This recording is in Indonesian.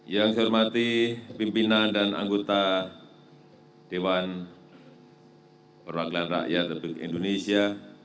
yang saya hormati pimpinan dan anggota dewan perwakilan rakyat republik indonesia